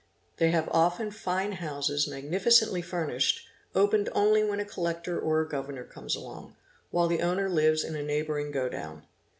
They have often fine houses magnificently furnished, opened only when a Collector or a Governor comes along, while the owner lives in a neighbouring go down.